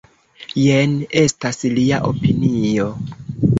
Jen estas lia opinio.